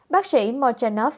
bác sĩ mocerno bức xúc